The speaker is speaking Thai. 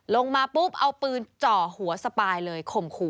ลงมาปุ๊บเอาปืนเจาะหัวสปายเลยข่มขู่